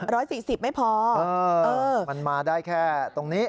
ร้อย๔๐ไม่พอเออเออมันมาได้แค่ตรงนี้